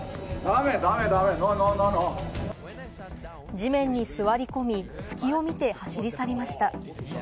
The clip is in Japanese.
地面に座り込み、隙を見て走り去りました。